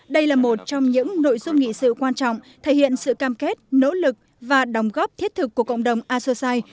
đây là một trong những nội dung nghị sự quan trọng thể hiện sự cam kết nỗ lực và đồng góp thiết thực của cộng đồng asosai